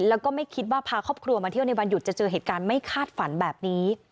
แล้วก็ไม่คิดว่าพาครอบครัวมาเที่ยวในวันหยุดจะเจอเหตุการณ์ไม่คาดฝันแบบนี้